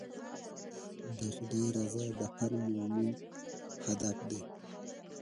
د خدای رضا د هر مؤمن هدف دی.